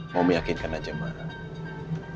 mau meyakinkan aja mama